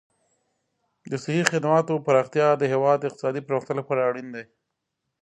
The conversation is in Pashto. د صحي خدماتو پراختیا د هېواد اقتصادي پرمختګ لپاره اړین دي.